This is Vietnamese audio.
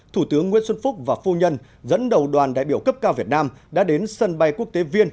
thủ tướng nguyễn xuân phúc và phu nhân dẫn đầu đoàn đại biểu cấp cao việt nam đã đến sân bay quốc tế viên